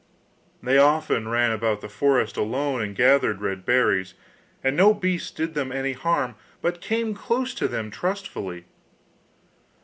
They often ran about the forest alone and gathered red berries, and no beasts did them any harm, but came close to them trustfully.